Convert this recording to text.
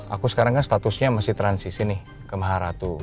aku sekarang kan statusnya masih transisi nih ke maharatu